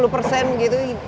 lima puluh persen gitu